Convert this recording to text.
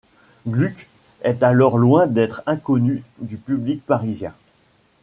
Gluck est alors loin d'être inconnu du public parisien.